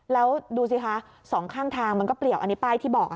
แล้วดูสิคะสองข้างทางมันก็เปลี่ยวอันนี้ป้ายที่บอก